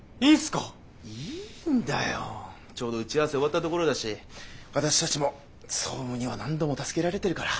いいんだよちょうど打ち合わせ終わったところだし私たちも総務には何度も助けられてるから。